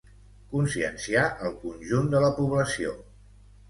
conscienciar el conjunt de la població